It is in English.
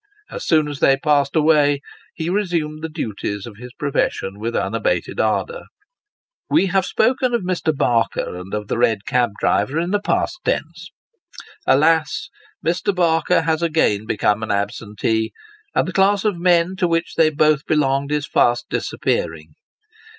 As soon as they passed away, ho resumed the duties of his profession with unabated ardour. We have spoken of Mr. Barker and of the red cab driver, in the past tense. Alas ! Mr. Barker has again become an absentee ; and the class of men to which they both belonged are fast disappearing.